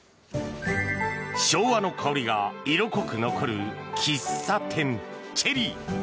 昭和の香りが色濃く残る喫茶店チェリー。